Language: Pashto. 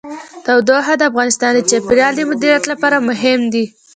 تودوخه د افغانستان د چاپیریال د مدیریت لپاره مهم دي.